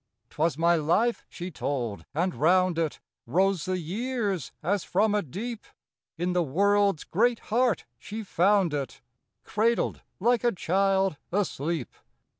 'T was my life she told, and round it Rose the years as from a deep; In the world's great heart she found it, Cradled like a child asleep.